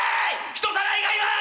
人さらいがいます！」。